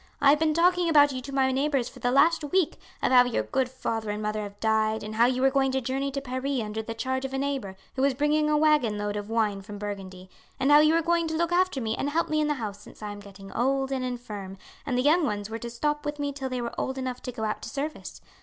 "I have been talking about you to my neighbours for the last week, of how your good father and mother have died, and how you were going to journey to Paris under the charge of a neighbour, who was bringing a waggon load of wine from Burgundy, and how you were going to look after me and help me in the house since I am getting old and infirm, and the young ones were to stop with me till they were old enough to go out to service.